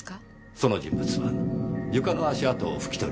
その人物は床の足跡を拭き取り